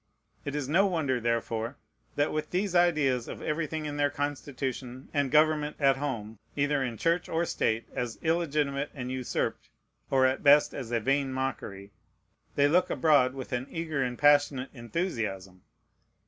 It is no wonder, therefore, that, with these ideas of everything in their Constitution and government at home, either in Church or State, as illegitimate and usurped, or at best as a vain mockery, they look abroad with an eager and passionate enthusiasm.